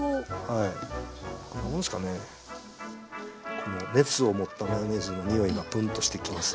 この熱を持ったマヨネーズの匂いがプンとしてきます。